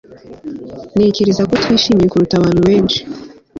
Ntekereza ko twishimye kuruta abantu benshi